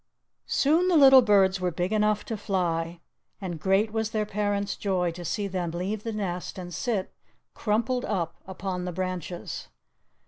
Soon the little birds were big enough to fly, and great was their parents' joy to see them leave the nest and sit crumpled up upon the branches.